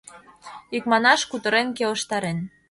Икманаш, кутырен келыштарен.